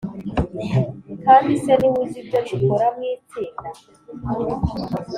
kandi se niwe uzi ibyo dukora mwitsinda